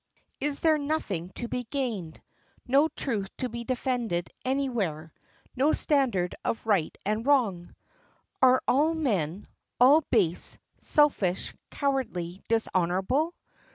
Is there nothing to be gained; no truth to be defended anywhere, no standard of right and wrong. Are all men all base, selfish, cowardly, dishonorable?